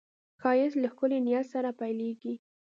ښایست له ښکلي نیت سره پیلېږي